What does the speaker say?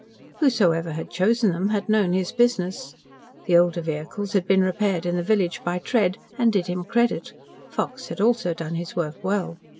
Whosoever had chosen them had known his business. The older vehicles had been repaired in the village by Tread, and did him credit. Fox had also done his work well.